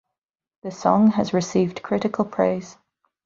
The song has received critical praise.